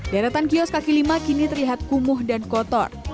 deretan kios kaki lima kini terlihat kumuh dan kotor